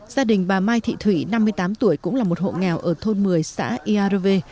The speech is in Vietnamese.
gia đình bà mai thị thủy năm mươi tám tuổi cũng là một hộ nghèo ở thôn một mươi xã iae